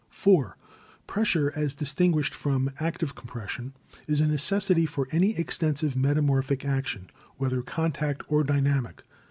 "4. Pressure, as distinguished from active compression, is a necessity for any extensive metamorphic action, whether contact or dynamic.